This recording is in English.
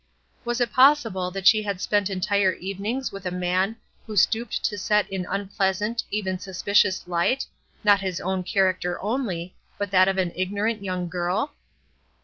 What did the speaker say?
Was it possible that she had spent entire evenings with a man who stooped to set in unpleasant, even suspicious light, not his own character only, but that of an ignorant young girl?